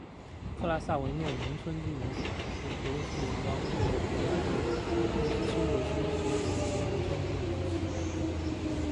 克拉萨维诺农村居民点是俄罗斯联邦沃洛格达州大乌斯秋格区所属的一个农村居民点。